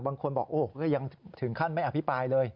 บางคนบอกโอ้ก็ยังถึงขั้นไม่อภิปรายเลย